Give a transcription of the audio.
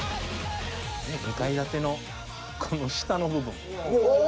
２階建てのこの下の部分。